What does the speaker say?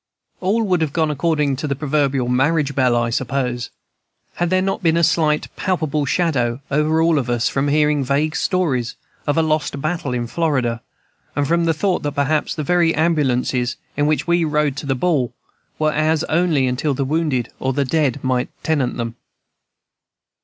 All would have gone according to the proverbial marriage bell, I suppose, had there not been a slight palpable shadow over all of us from hearing vague stories of a lost battle in Florida, and from the thought that perhaps the very ambulances in which we rode to the ball were ours only until the wounded or the dead might tenant them.